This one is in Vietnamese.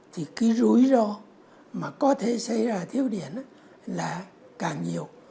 thì cái rủi ro mà có thể xảy ra thiếu điện là càng nhiều